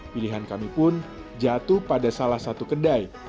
pilihan kami pun jatuh pada salah satu kedai